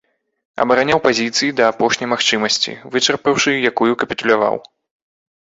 Абараняў пазіцыі да апошняй магчымасці, вычарпаўшы якую капітуляваў.